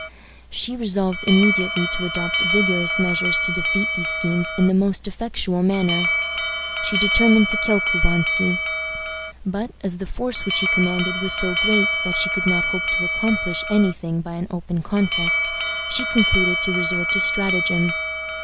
She resolved immediately to adopt vigorous measures to defeat these schemes in the most effectual manner. She determined to kill Couvansky. But, as the force which he commanded was so great that she could not hope to accomplish any thing by an open contest, she concluded to resort to stratagem.